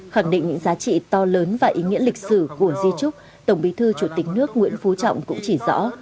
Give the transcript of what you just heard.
khẳng định những giá trị to lớn và ý nghĩa lịch sử của di trúc tổng bí thư chủ tịch nước nguyễn phú trọng cũng chỉ rõ